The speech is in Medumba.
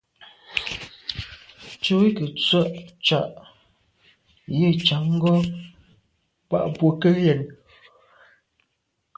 Ntshu i nke ntswe’ tsha’ yi ntsan ngo’ bàn bwe ke yen.